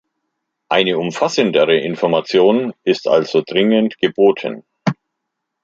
Eine umfassendere Information ist also dringend geboten.